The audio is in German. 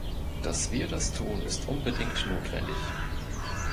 Dass wir das tun, ist unbedingt notwendig.